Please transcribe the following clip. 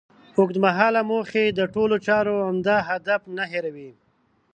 اوږد مهاله موخې د ټولو چارو عمده هدف نه هېروي.